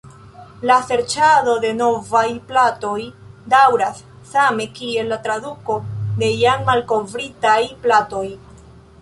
La serĉado de novaj platoj daŭras, same kiel la traduko de jam malkovritaj platoj.